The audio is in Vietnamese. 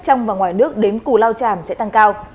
trong và ngoài nước đến cù lao tràm sẽ tăng cao